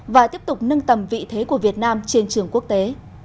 và tiếp tục nâng tầm vị thế của việt nam trên trường quốc tế